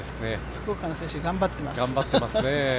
福岡の選手、頑張っています